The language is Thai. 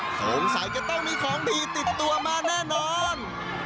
สงสัยจะต้องมีของดีติดตัวมาแน่นอน